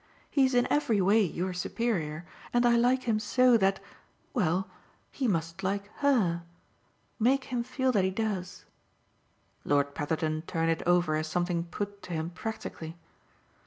He's in every way your superior, and I like him so that well, he must like HER. Make him feel that he does." Lord Petherton turned it over as something put to him practically.